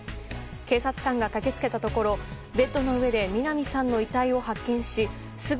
警察官が駆け付けたところベッドの上でみな美さんの遺体を発見しすぐ